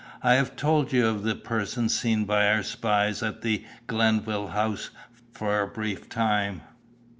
I have told you of the person seen by our spies at the Glenville House, for a brief time?"